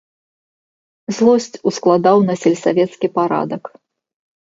Злосць ускладаў на сельсавецкі парадак.